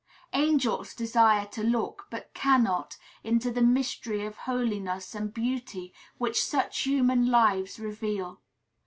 Angels desire to look, but cannot, into the mystery of holiness and beauty which such human lives reveal.